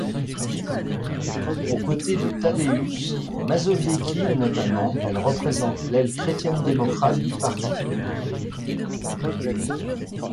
Aux côtés de Tadeusz Mazowiecki notamment, elle représente l'aile chrétienne-démocrate du parti.